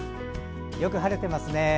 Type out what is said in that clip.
よく晴れてますね。